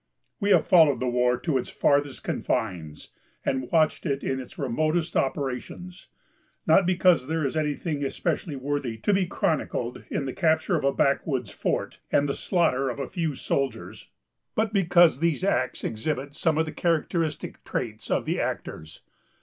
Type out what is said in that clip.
We have followed the war to its farthest confines, and watched it in its remotest operations; not because there is any thing especially worthy to be chronicled in the capture of a backwoods fort, and the slaughter of a few soldiers, but because these acts exhibit some of the characteristic traits of the actors.